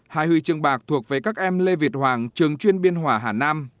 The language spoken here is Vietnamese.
hai huy chương bạc thuộc về các em lê việt hoàng trường chuyên biên hòa hà nam